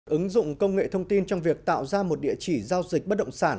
ứng dụng công nghệ thông tin trong việc tạo ra một địa chỉ giao dịch bất động sản